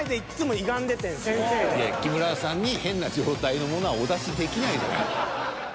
木村さんに変な状態のものはお出しできないじゃない。